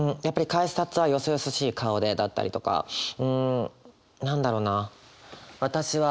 「改札はよそよそしい顔で」だったりとかうん何だろうな。